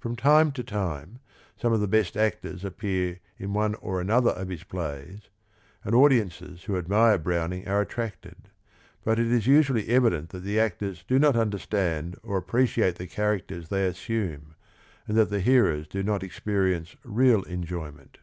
From time to time some of the best actors appear in one or another of his plays, and audiences who admire Browning are attracted, but it is usually evident that the actors do not understand or appreciate the characters they assume, and that the hearers do not expe rience real enjoyment.